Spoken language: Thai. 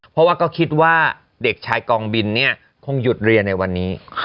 เพราะว่าก็คิดว่าเด็กชายกองบินเนี่ยคงหยุดเรียนในวันนี้